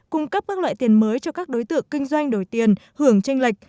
cung cấp các loại tiền mới cho các đối tượng kinh doanh đổi tiền hưởng tranh lệch